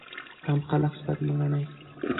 عام خلک سپک مه ګڼئ!